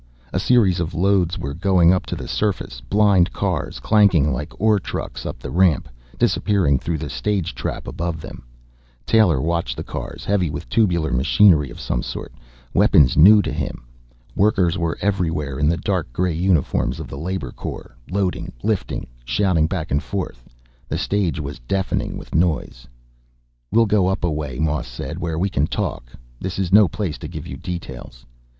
A series of loads were going up to the surface, blind cars clanking like ore trucks up the ramp, disappearing through the stage trap above them. Taylor watched the cars, heavy with tubular machinery of some sort, weapons new to him. Workers were everywhere, in the dark gray uniforms of the labor corps, loading, lifting, shouting back and forth. The stage was deafening with noise. "We'll go up a way," Moss said, "where we can talk. This is no place to give you details."